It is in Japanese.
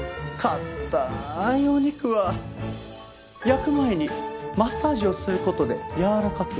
硬いお肉は焼く前にマッサージをする事でやわらかくなる。